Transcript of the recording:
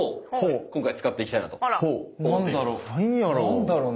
何だろう？